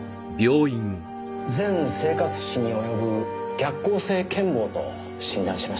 全生活史に及ぶ逆行性健忘と診断しました。